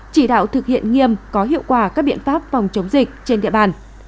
chỉ đạo thực hiện nghiêm có hiệu quả các biện pháp phòng chống dịch trên địa bàn